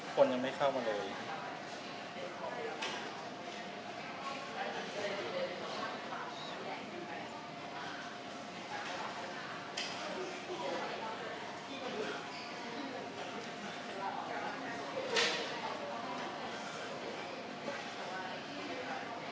คนยังไม่เข้ามาเลย